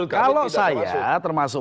kalau saya termasuk